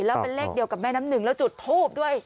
แล้วเป็นเลขเดียวกับแม่น้ำหนึ่งแล้วจุดทูบด้วย